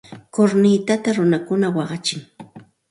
Kurnitata runakuna waqachin.